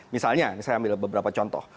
misalnya saya ambil beberapa contoh